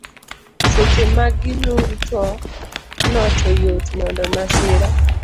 Seche ma gi nur no to yot mondo masira